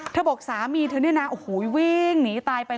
เธอบอกสามีเธอเนี่ยนะอู๋วิ้งหนีตายไป